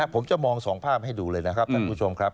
ผมจะมอง๒ภาพให้ดูเลยนะครับท่านผู้ชมครับ